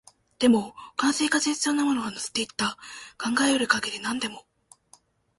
でも、他の生活に必要なものは乗せていった、考えうる限り何でも